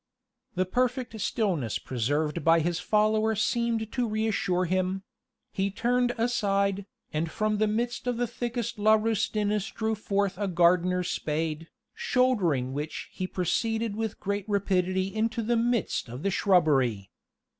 The perfect stillness preserved by his follower seemed to reassure him; he turned aside, and from the midst of a thickest laurustinus drew forth a gardener's spade, shouldering which he proceeded with great rapidity into the midst of the shrubbery.